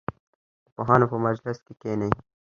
د پوهانو په مجلس کې کښېنئ.